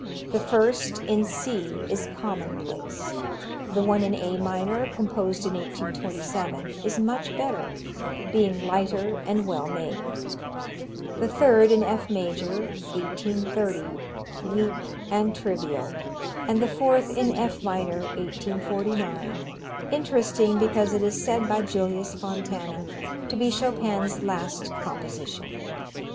The first, in C, is commonplace; the one in A minor, composed in 1827, is much better, being lighter and well made; the third, in F major, 1830, weak and trivial, and the fourth, in F minor, 1849, interesting because it is said by Julius Fontana to be Chopin's last composition.